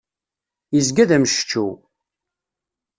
Yezga d amceččew.